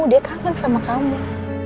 dia kangen sama kamu